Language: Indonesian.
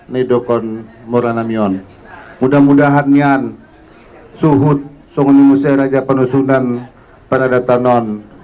nidokon mora nami on mudah mudahan nian suhut songoni musyantong raja panusun dan para datanon